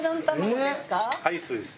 はいそうです。